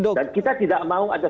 dan kita tidak mau ada